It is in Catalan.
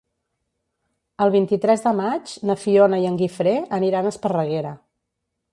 El vint-i-tres de maig na Fiona i en Guifré aniran a Esparreguera.